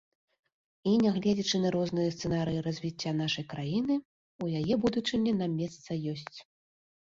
І, нягледзячы на розныя сцэнарыі развіцця нашай краіны, у яе будучыні нам месца ёсць.